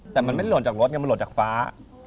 แต่มันไม่หล่นจากรถไงมันหล่นจากฟ้า